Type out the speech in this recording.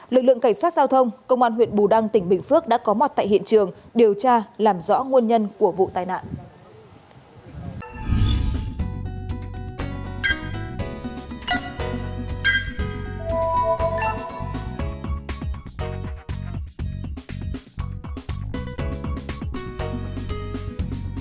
lực lượng cảnh sát giao thông công an huyện bù đăng tỉnh bình phước đã có mặt tại hiện trường điều tra làm rõ nguồn nhân của vụ tai nạn